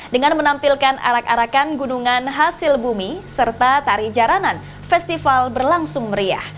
dengan menampilkan arak arakan gunungan hasil bumi serta tari jaranan festival berlangsung meriah